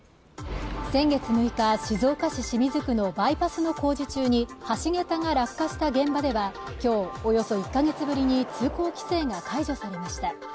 先月６日静岡市清水区のバイパスの工事中に橋桁が落下した現場ではきょうおよそ１か月ぶりに通行規制が解除されました